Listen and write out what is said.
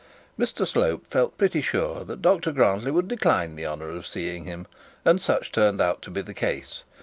Mr Slope felt pretty sure that Dr Grantly would decline the honour of seeing him, and such turned out to be the case.